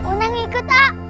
udah ngikut pak